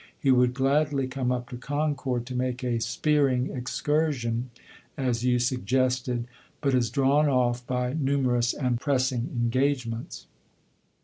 He would gladly come up to Concord to make a spearing excursion, as you suggested, but is drawn off by numerous and pressing engagements."